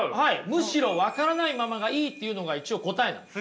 むしろ分からないままがいいっていうのが一応答えなんです。